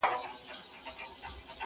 • دعوه د سړیتوب دي لا مشروطه بولم ځکه,